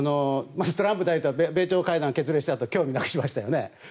トランプ大統領は米朝会談が決裂したあと興味なくしましたよね。